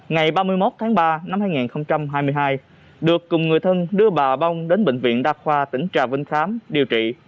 ngày ba mươi một tháng ba năm hai nghìn hai mươi hai được cùng người thân đưa bà bong đến bệnh viện đa khoa tỉnh trà vinh khám điều trị